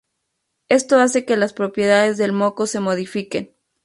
Esto hace que las propiedades del moco se modifiquen.